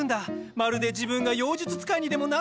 まるで自分が妖術使いにでもなった気分だよ。